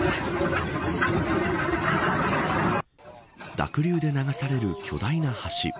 濁流で流される巨大な橋。